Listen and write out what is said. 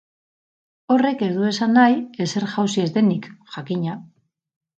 Horrek ez du esan nahi ezer jauzi ez denik, jakina.